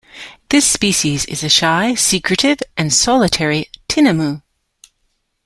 This species is a shy, secretive and solitary tinamou.